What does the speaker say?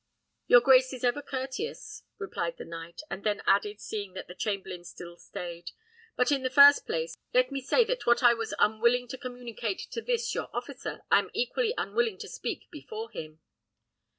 "Your grace is ever courteous," replied the knight; and then added, seeing that the chamberlain still staid "but, in the first place, let me say that what I was unwilling to communicate to this your officer, I am equally unwilling to speak before him."